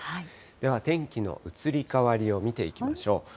では天気の移り変わりを見ていきましょう。